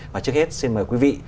và trước hết xin mời quý vị